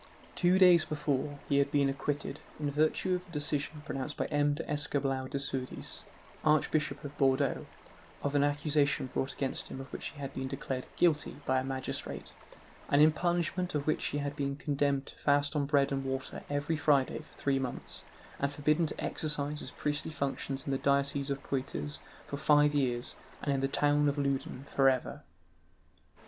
Two days before, he had been acquitted, in virtue of a decision pronounced by M. d'Escoubleau de Sourdis, Archbishop of Bordeaux, of an accusation brought against him of which he had been declared guilty by a magistrate, and in punishment of which he had been condemned to fast on bread and water every Friday for three months, and forbidden to exercise his priestly functions in the diocese of Poitiers for five years and in the town of Loudun for ever.